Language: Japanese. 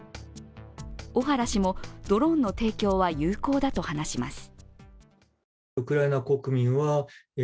小原氏も、ドローンの提供は有効だと話します。